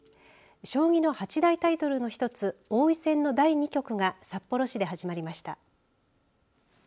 将棋の八大タイトルの１つ王位戦の第２局が札幌市で始まりました。